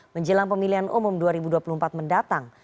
menjelang pemilihan umum dua ribu dua puluh empat mendatang